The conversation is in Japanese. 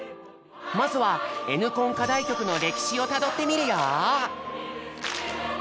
まずは「Ｎコン」課題曲の歴史をたどってみるよ！